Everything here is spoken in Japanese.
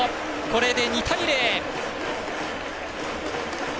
これで２対０！